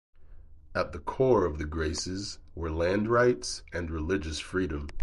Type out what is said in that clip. At the core of the Graces were land rights and religious freedom.